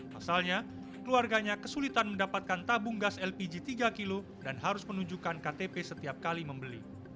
pasalnya keluarganya kesulitan mendapatkan tabung gas lpg tiga kg dan harus menunjukkan ktp setiap kali membeli